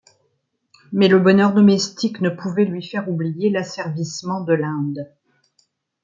Mais le bonheur domestique ne pouvait lui faire oublier l’asservissement de l’Inde.